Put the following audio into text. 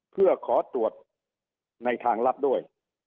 เพื่อขอตรวจในทางลับด้วย